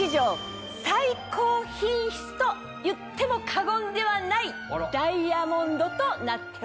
といっても過言ではないダイヤモンドとなっております。